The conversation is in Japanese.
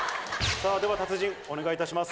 では達人お願いいたします。